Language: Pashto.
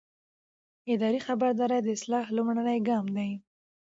اداري خبرداری د اصلاح لومړنی ګام دی.